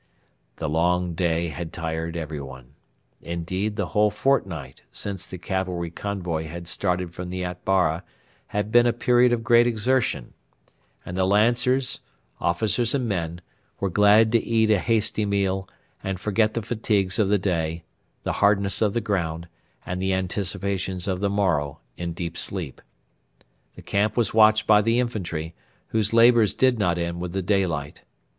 The long day had tired everyone. Indeed, the whole fortnight since the cavalry convoy had started from the Atbara had been a period of great exertion, and the Lancers, officers and men, were glad to eat a hasty meal, and forget the fatigues of the day, the hardness of the ground, and the anticipations of the morrow in deep sleep. The camp was watched by the infantry, whose labours did not end with the daylight.